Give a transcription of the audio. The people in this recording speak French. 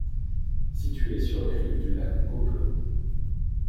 Située sur les rives du lac Gopło.